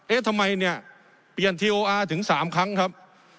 ทำไมเนี่ยเปลี่ยนทีโออาร์ถึง๓ครั้งครับ